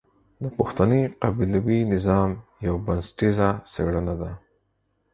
د پښتني قبيلوي نظام يوه بنسټيزه څېړنه ده.